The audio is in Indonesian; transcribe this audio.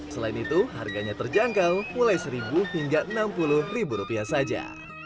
selain itu harganya terjangkau mulai seribu hingga enam puluh ribu rupiah saja